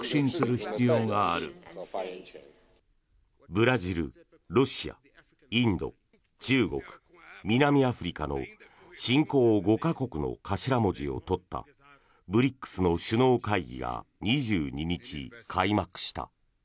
ブラジル、ロシア、インド中国、南アフリカの新興５か国の頭文字を取ったＢＲＩＣＳの首脳会議が２２日、開幕した。